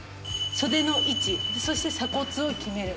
袖の位置そして鎖骨を極める。